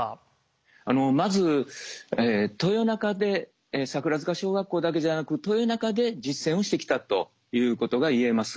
まず豊中で桜塚小学校だけじゃなく豊中で実践をしてきたということが言えます。